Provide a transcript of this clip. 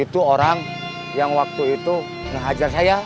itu orang yang waktu itu ngajar saya